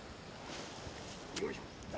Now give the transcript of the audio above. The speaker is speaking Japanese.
よいしょ。